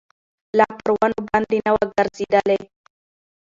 لا پر ونو باندي نه ووګرځېدلی